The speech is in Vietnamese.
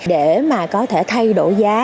để mà có thể thay đổi giá